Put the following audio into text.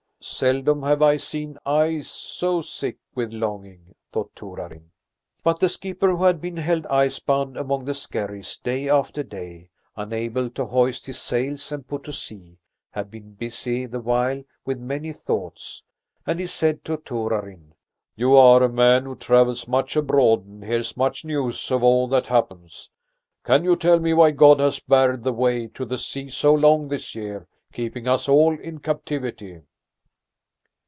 "Seldom have I seen eyes so sick with longing," thought Torarin. But the skipper, who had been held ice bound among the skerries day after day, unable to hoist his sails and put to sea, had been busy the while with many thoughts, and he said to Torarin: "You are a man who travels much abroad and hears much news of all that happens: can you tell me why God has barred the way to the sea so long this year, keeping us all in captivity?"